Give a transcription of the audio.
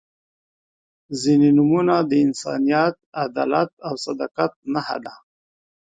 • ځینې نومونه د انسانیت، عدالت او صداقت نښه ده.